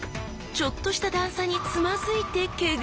ちょっとした段差につまずいてケガ！